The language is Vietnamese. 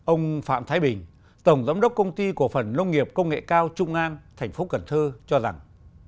ông phạm thái bình tổng giám đốc công ty của phần nông nghiệp công nghệ cao trung an tp cần thơ cho rằng